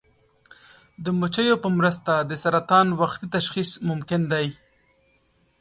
د مچیو په مرسته د سرطان وختي تشخیص ممکن دی.